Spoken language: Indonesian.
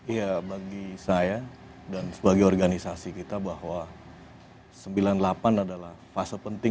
iya bagi saya dan sebagai organisasi kita bahwa sembilan puluh delapan adalah fase penting karena angkatan itu menemukan momentumnya